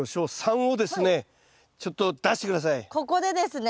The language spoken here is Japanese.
ここでですね。